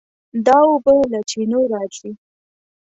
دا اوبه له چینو راځي.